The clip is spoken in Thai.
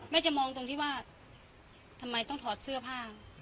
จะมองตรงที่ว่าทำไมต้องถอดเสื้อผ้า